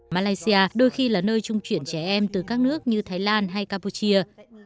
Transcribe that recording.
malaysia đôi khi là nơi trung chuyển trẻ em từ các nước như thái lan hay campuchia